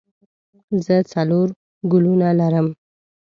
زه څلور ګلونه لرم.